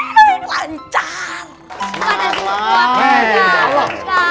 terima kasih semua buat kita